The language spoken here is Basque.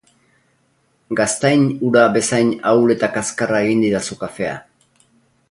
Gaztain ura bezain ahul eta kazkarra egin didazu kafea.